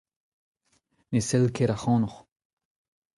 Ne sell ket ac'hanoc'h.